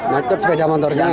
macet sepeda motornya